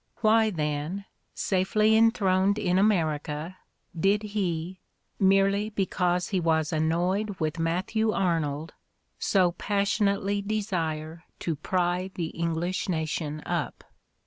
Why, then, safely enthroned in America, did he, merely be cause he was annoyed with Matthew Arnold, so pas sionately desire to "pry" the English nation up?